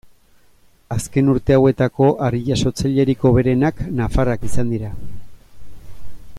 Azken urte hauetako harri-jasotzailerik hoberenak nafarrak izan dira.